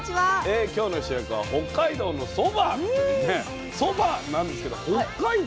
今日の主役は「北海道のそば」というねそばなんですけど北海道？